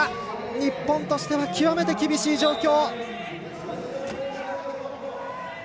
日本としては極めて厳しい状況。